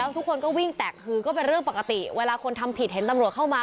ทุกคนก็วิ่งแตกคือก็เป็นเรื่องปกติเวลาคนทำผิดเห็นตำรวจเข้ามา